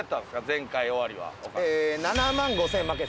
前回終わりは。